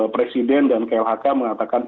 presiden dan klhk mengatakan